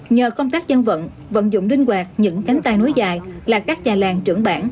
nhờ công tác dân vận vận dụng đinh quạt những cánh tay nối dài là các nhà làng trưởng bản